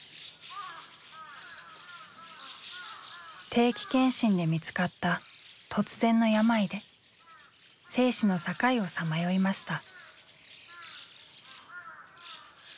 定期検診で見つかった突然の病で生死の境をさまよいました。